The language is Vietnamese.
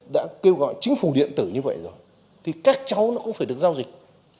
đã kêu gọi chính phủ điện tử như vậy rồi thì các cháu nó cũng phải được giao dịch